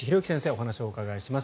お話をお伺いします。